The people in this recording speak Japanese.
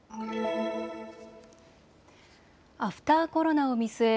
アフターコロナを見据え